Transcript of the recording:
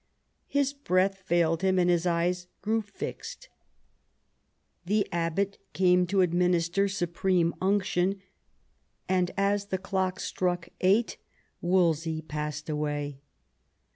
His breath failed him and his eyes grew fixed. The abbot came to administer supreme unction, and as the clock struck eight Wolsey passed away.